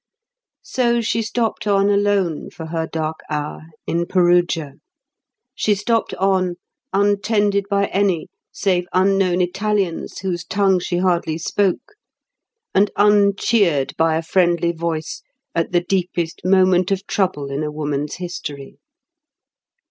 So she stopped on alone for her dark hour in Perugia. She stopped on, untended by any save unknown Italians whose tongue she hardly spoke, and uncheered by a friendly voice at the deepest moment of trouble in a woman's history.